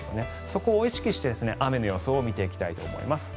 そこを意識して雨の予想を見ていきたいと思います。